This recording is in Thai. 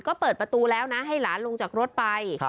ก็เปิดประตูแล้วนะให้หลานลงจากรถไป